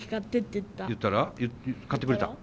言ったら買ってくれた？